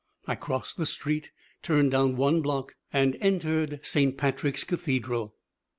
I crossed the street, turned down one block, and entered Saint Patrick's Cathedral.